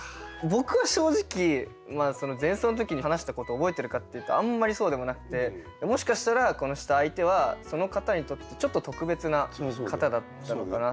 僕は正直前奏の時に話したことを覚えてるかっていうとあんまりそうでもなくてもしかしたらこのした相手はその方にとってちょっと特別な方だったのかな。